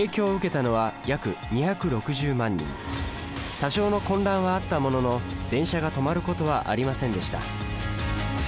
多少の混乱はあったものの電車が止まることはありませんでした